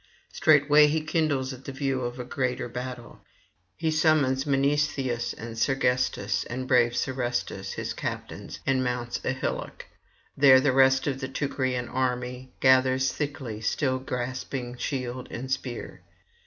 Straightway he kindles at the view of a greater battle; he summons Mnestheus and Sergestus and brave Serestus his captains, and mounts a hillock; there the rest of the Teucrian army gathers thickly, still grasping shield and spear.